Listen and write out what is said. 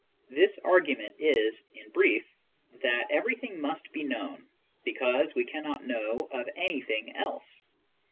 This argument is, in brief, that everything must be known, because we can not know of anything eke.